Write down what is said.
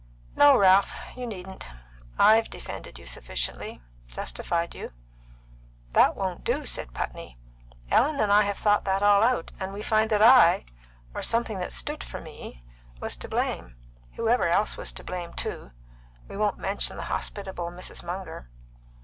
"No, Ralph, and you needn't; I've defended you sufficiently justified you." "That won't do," said Putney. "Ellen and I have thought that all out, and we find that I or something that stood for me was to blame, whoever else was to blame, too; we won't mention the hospitable Mrs. Munger.